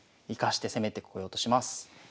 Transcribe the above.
生かして攻めてこようとします。